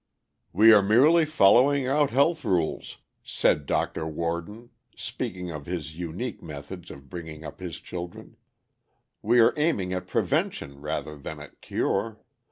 "'We are merely following out health rules,' said Dr. Worden, speaking of his unique methods of bringing up his children. 'We are aiming at prevention rather than at cure.